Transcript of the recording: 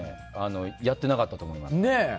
やってなかったと思います。